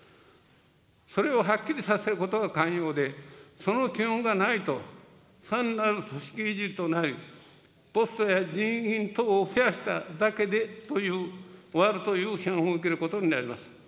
それをはっきりさせることが肝要で、その基本がないと、単なる組織いじりとなり、ポストや人員等を増やしただけで終わるという批判を受けることになります。